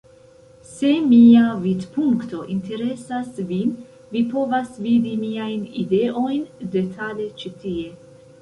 Se mia vidpunkto interesas vin vi povas vidi miajn ideojn detale ĉi tie.